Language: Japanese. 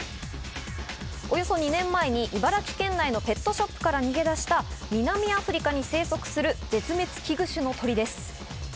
およそ２年前に茨城県内のペットショップから逃げ出した、南アフリカに生息する絶滅危惧種の鳥です。